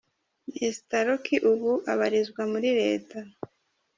Mr Roki ubu abarizwa muri leta .